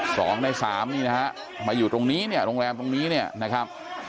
สองในสามนี่นะฮะมาอยู่ตรงนี้เนี่ยโรงแรมตรงนี้เนี่ยนะครับ